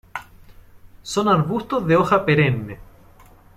Son arbustos de hoja perenne.